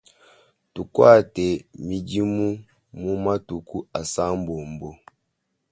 Tukuate midimu mu matuku asambombo.